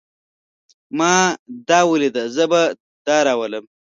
ما دا وليده. زه به دا راولم.